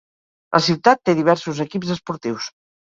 La ciutat té diversos equips esportius.